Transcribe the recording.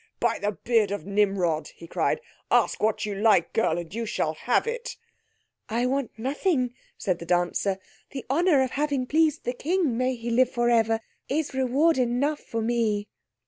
"By the beard of Nimrod!" he cried, "ask what you like girl, and you shall have it!" "I want nothing," said the dancer; "the honour of having pleased the King may he live for ever is reward enough for me."